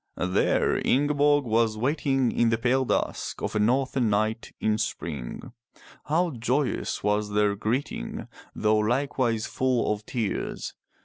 There Ingeborg was waiting in the pale dusk of a northern night in spring. How joyous was their greeting, though likewise full of tears.